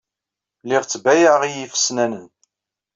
Lliɣ ttbayaɛeɣ i yifesyanen.